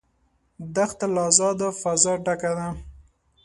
دښته له آزاده فضا ډکه ده.